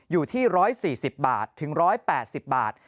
อยู่ที่๑๔๐บาทถึง๑๘๐บาท